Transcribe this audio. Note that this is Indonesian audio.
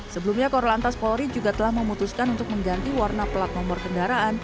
sebelumnya korlantas polri juga telah memutuskan untuk mengganti warna plat nomor kendaraan